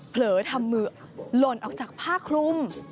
เผลอทำมือหล่นออกจากผ้าคลุม